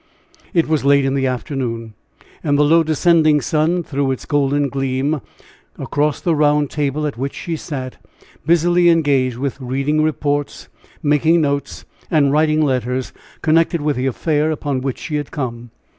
It was late in the afternoon, and the low descending sun threw its golden gleam across the round table at which she sat, busily engaged with reading reports, making notes, and writing letters connected with the affair upon which she had come.